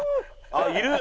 あっいる！